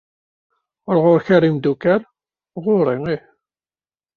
Ur ɣuṛ-k ara imdukkal? ɣuṛ-i ih.